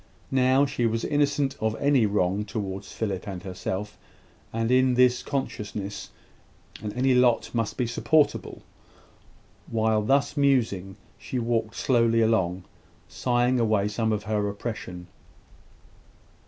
Now, she was innocent of any wrong towards Philip and herself; and, in this consciousness, any lot must be supportable. While thus musing, she walked slowly along, sighing away some of her oppression.